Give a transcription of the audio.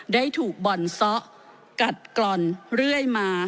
ได้ถูกบ่อนซ้อกัดกล่อนเรื่อยมา